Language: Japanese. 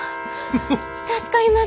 助かります！